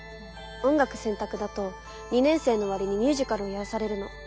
音楽選択だと２年生の終わりにミュージカルをやらされるの。